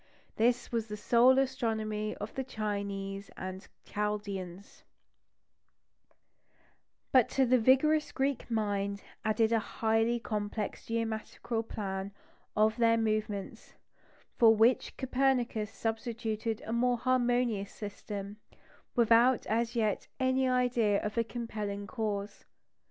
This was the sole astronomy of the Chinese and Chaldeans; but to it the vigorous Greek mind added a highly complex geometrical plan of their movements, for which Copernicus substituted a more harmonious system, without as yet any idea of a compelling cause.